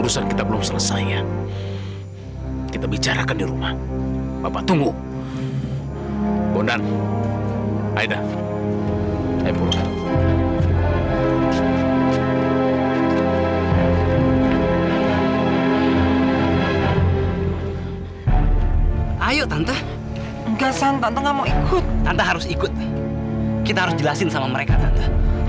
sampai jumpa di video selanjutnya